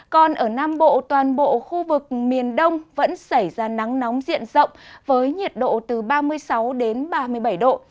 còn ở nam bộ toàn bộ khu vực miền đông vẫn xảy ra nắng nóng diện rộng với nhiệt độ từ ba mươi sáu đến ba mươi bảy độ